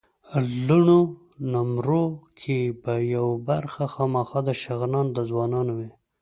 لوړو نومرو کې به یوه برخه خامخا د شغنان د ځوانانو وي.